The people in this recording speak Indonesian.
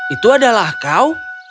itu adalah kau